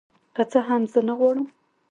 که څه هم زه نغواړم